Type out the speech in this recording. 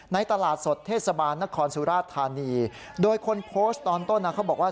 ตลาดสดเทศบาลนครสุราชธานีโดยคนโพสต์ตอนต้นนะเขาบอกว่า